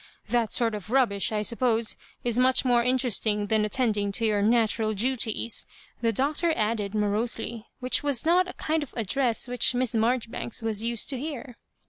" That sort of rubbish, I suppose, is much more interesting ^ than attendii^ to your natural duties,'' the Hi Doctor added, morosely, which was not a kind ^ of address which Miss Maijoribanks was used to ^' hear.